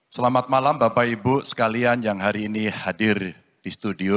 selamat malam bapak ibu sekalian yang hari ini hadir di studio